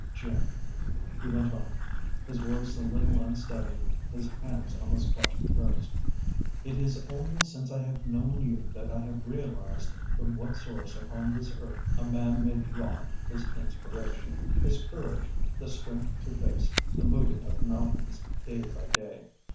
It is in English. Jane," he went on, his voice a little unsteady, his hands almost clutching hers, "it is only since I have known you that I have realised from what source upon this earth a man may draw his inspiration, his courage, the strength to face the moving of mountains, day by day.